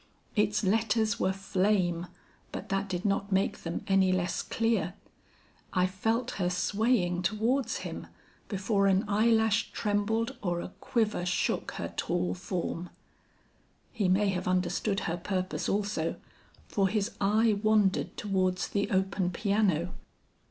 Its letters were flame, but that did not make them any less clear. I felt her swaying towards him, before an eyelash trembled or a quiver shook her tall form. He may have understood her purpose also, for his eye wandered towards the open piano.